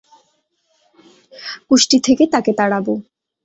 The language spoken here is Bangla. কুষ্টি থেকে তাকে তাড়াব।